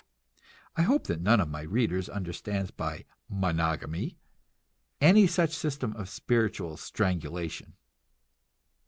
I hope that none of my readers understands by "monogamy" any such system of spiritual strangulation.